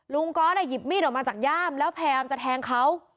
ลุงก๊อตน่ะหยิบมีดออกมาจากย่ามแล้วแพมจะแทงเขา